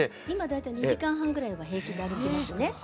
今大体２時間半ぐらいは平気で歩きますね。